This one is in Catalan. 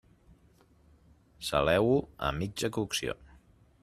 Saleu-ho a mitja cocció.